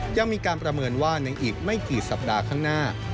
ยังมีการประเมินว่าในอีกไม่กี่สัปดาห์ข้างหน้า